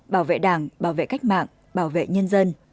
bảo vệ đảng bảo vệ cách mạng bảo vệ nhân dân